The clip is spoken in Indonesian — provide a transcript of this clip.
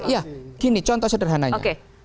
ya gini contoh sederhananya